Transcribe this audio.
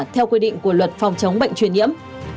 theo quy định của luật phòng chống bệnh truyền nhiễm